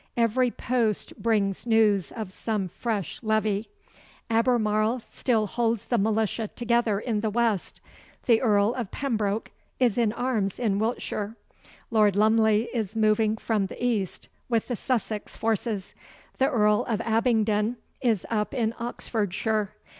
Every post brings news of some fresh levy. Albemarle still holds the militia together in the west. The Earl of Pembroke is in arms in Wiltshire. Lord Lumley is moving from the east with the Sussex forces. The Earl of Abingdon is up in Oxfordshire.